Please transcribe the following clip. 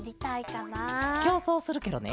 きょうそうするケロね。